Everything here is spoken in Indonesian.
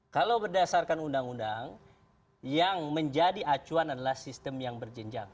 kalau berdasarkan undang undang yang menjadi acuan adalah sistem yang berjenjang